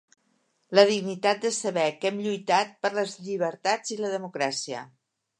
La dignitat de saber que hem lluitat per les llibertats i la democràcia.